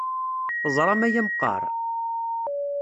Teẓram aya meqqar?